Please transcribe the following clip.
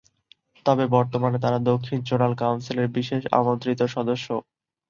তবে বর্তমানে তারা দক্ষিণ জোনাল কাউন্সিলের বিশেষ আমন্ত্রিত সদস্য।